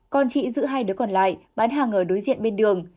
con chị giữ hai đứa còn lại bán hàng ở đối diện bên đường